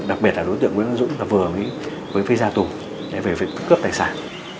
đặc biệt là đối tượng của nguyễn văn dũng là vừa với phía gia tù về việc cướp tài sản